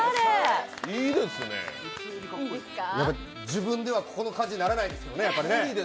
自分ではこの感じにならないですよね。